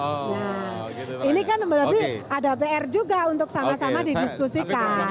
nah ini kan berarti ada pr juga untuk sama sama didiskusikan